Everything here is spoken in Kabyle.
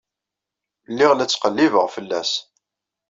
Lliɣ la ttqellibeɣ fell-as.